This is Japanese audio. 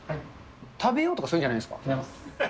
食べようとかそういうんじゃ違います。